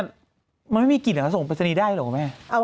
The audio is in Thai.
มันไม่มีกลิ่นอ่ะเขาส่งปรายศนีย์ได้หรือประแม่